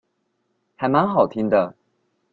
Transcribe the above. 還蠻好聽的